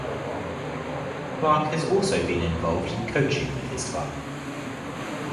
Clarke has also been involved in coaching with his club.